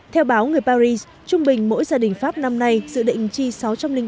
theo báo người paris trung bình mỗi gia đình pháp năm nay dự định chi sản